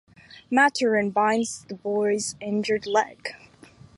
Maturin binds the boy's injured leg.